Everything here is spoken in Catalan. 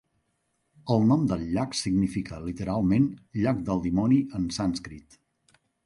El nom del llac significa literalment "llac del dimoni" en sànscrit.